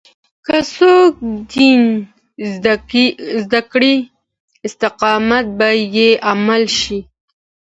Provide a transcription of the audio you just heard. که څوک دين زده کړي، استقامت به يې عملي شي.